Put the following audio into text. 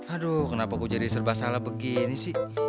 aduh kenapa gue jadi serba salah begini sih